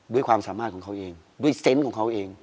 ด้วยความสามารถของเขาเองด้วยเซนต์ของเขาเอง